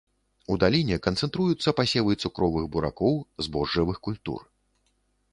У даліне канцэнтруюцца пасевы цукровых буракоў, збожжавых культур.